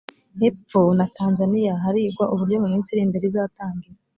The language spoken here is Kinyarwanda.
epfo na tanzania harigwa uburyo mu minsi iri imbere izatangira